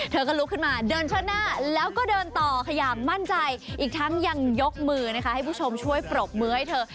เธอก็ลุกขึ้นมาเดินเชิดหน้าแล้วก็เดินต่อค่ะอย่างมั่นใจอีกทั้งยังยกมือนะคะให้ผู้ชมช่วยปรบมือให้เธอ